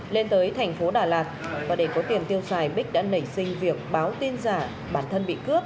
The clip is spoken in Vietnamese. lên tới thành phố đà lạt và để có tiền tiêu xài bích đã nảy sinh việc báo tin giả bản thân bị cướp